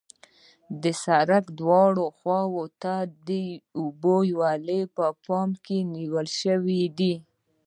د سرک دواړو خواو ته د اوبو ویالې په پام کې نیول شوې دي